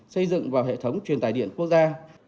xây dựng vào hệ thống truyền tài điện quốc gia